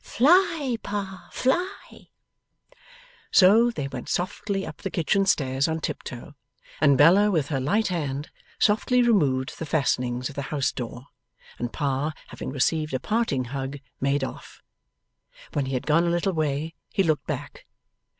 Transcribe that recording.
Fly, Pa, fly!' So, they went softly up the kitchen stairs on tiptoe, and Bella with her light hand softly removed the fastenings of the house door, and Pa, having received a parting hug, made off. When he had gone a little way, he looked back.